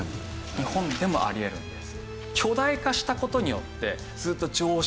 日本でもあり得るんです。